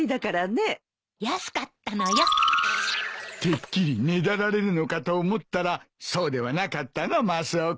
てっきりねだられるのかと思ったらそうではなかったなマスオ君。